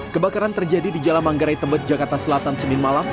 kebakaran terjadi di jalaman garai tembet jakarta selatan senin malam